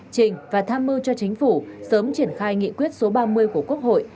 trình và tham mưu cho chính phủ sớm triển khai nghị quyết số ba mươi của quốc hội